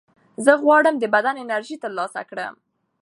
زه غواړم د بدن انرژي ترلاسه کړم.